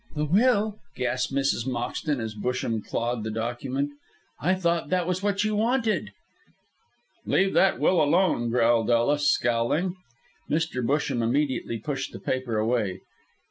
"The will!" gasped Mrs. Moxton, as Busham clawed the document. "I thought that was what you wanted." "Leave that will alone," growled Ellis, scowling. Mr. Busham immediately pushed the paper away.